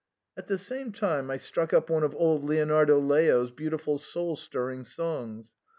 " At the same time I struck up one of old Leonardo Leo's " beautiful soul* stirring songs.